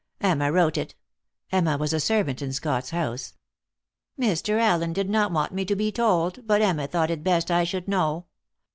Emma wrote it." Emma was a servant in Scott's house. "Mr. Allen did not want me to be told, but Emma thought it best I should know.